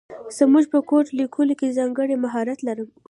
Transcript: زه په کوډ لیکلو کې ځانګړی مهارت لرم